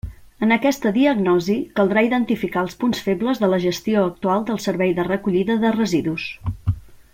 En aquesta diagnosi caldrà identificar els punts febles de la gestió actual del servei de recollida de residus.